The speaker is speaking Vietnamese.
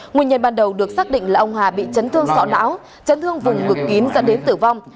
nguyên nhân ban đầu được xác định là ông hà bị chấn thương sọ não chấn thương vùng ngực kín dẫn đến tử vong